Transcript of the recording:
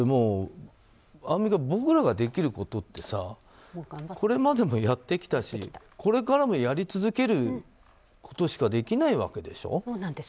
アンミカ、僕らができることってこれまでもやってきたしこれからもやり続けることしかできないわけでしょ。